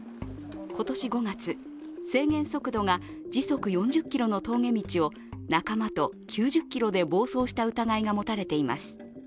今年５月、制限速度が時速４０キロの峠道を、仲間と９０キロで暴走した疑いが持たれています。